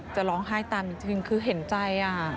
จะร้องหายตันจนคิดเห็นใจอ่ะ